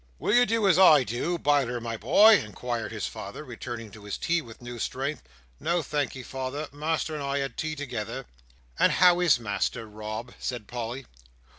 "Will you do as I do, Biler, my boy?" inquired his father, returning to his tea with new strength. "No, thank'ee, father. Master and I had tea together." "And how is master, Rob?" said Polly.